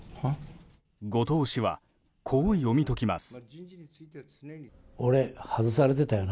後藤氏はこう読み解きます。